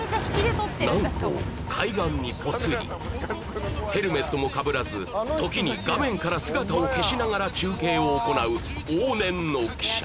何と海岸にポツリヘルメットもかぶらず時に画面から姿を消しながら中継を行う往年の記者